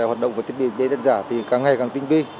thì hoạt động của thiết bị bts giả thì càng ngày càng tinh vi